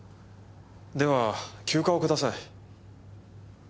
では休暇をください。